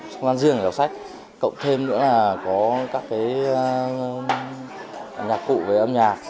không gian riêng để đọc sách cộng thêm nữa là có các cái nhạc cụ với âm nhạc